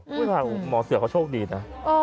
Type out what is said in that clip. หมอเสือเขาโชคดีนะ